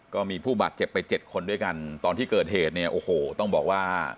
ก็มีผู้บาดเจ็บไปเจ็ดคนด้วยกันตอนที่เกิดเหตุเนี่ยโอ้โหต้องบอกว่า